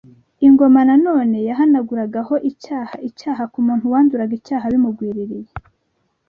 Ingoma na none yahanaguragaho icyaha icyaha ku Muntu wanduraga icyaha bimugwiririye